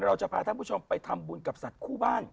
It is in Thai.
เราจะพาท่านผู้ชมไปทำบุญกับสัตว์คู่บ้าน